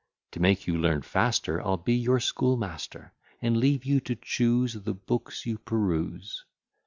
[To make you learn faster, I'll be your schoolmaster And leave you to choose The books you peruse.